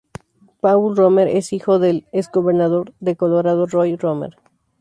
Paul Romer es hijo del exgobernador de Colorado Roy Romer.